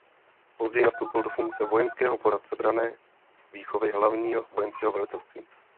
Později nastoupil do funkce vojenského poradce branné výchovy Hlavního vojenského velitelství.